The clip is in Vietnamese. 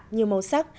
nhiều màu sắc